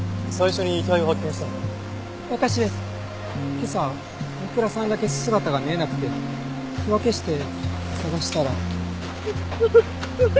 今朝大倉さんだけ姿が見えなくて手分けして捜したら。